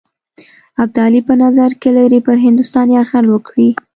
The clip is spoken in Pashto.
ابدالي په نظر کې لري پر هندوستان یرغل وکړي.